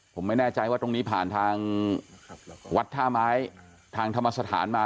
ผมไม่แน่ใจว่าตรงนี้ผ่านทางวัดท่าไม้ทางธรรมสถานมา